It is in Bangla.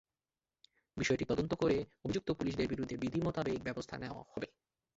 বিষয়টি তদন্ত করে অভিযুক্ত পুলিশদের বিরুদ্ধে বিধি মোতাবেক ব্যবস্থা নেওয়া হবে।